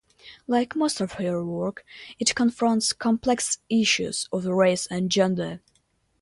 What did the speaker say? Like most of her work, it confronts complex issues of race and gender.